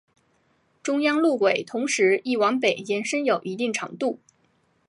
中央路轨同时亦往北延伸有一定长度。